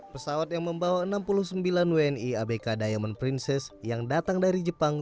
pesawat yang membawa enam puluh sembilan wni abk diamond princess yang datang dari jepang